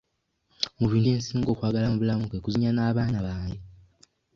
Mu bintu bye nsinga okwagala mu bulamu kwe kuzannya n'abaana bange.